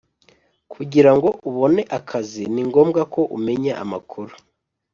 kugira ngo ubone akazi, ni ngombwa ko umenya amakuru